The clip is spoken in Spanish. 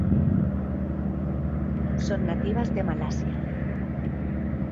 Son nativas de Malasia.